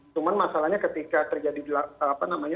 cuman masalahnya ketika terjadi apa namanya